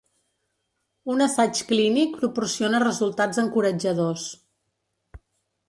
Un assaig clínic proporciona resultats encoratjadors.